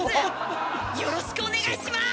よろしくお願いします！